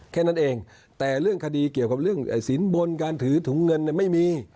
แค่นั้นเองแต่เรื่องคดีเกี่ยวกับเรื่องสินบนการถือถุงเงินไม่มี